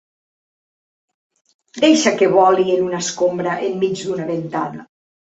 Deixa que voli en una escombra enmig d'una ventada!